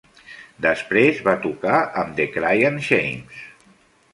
Després va tocar amb The Cryan' Shames.